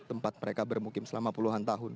tempat mereka bermukim selama puluhan tahun